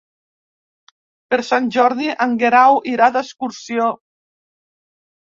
Per Sant Jordi en Guerau irà d'excursió.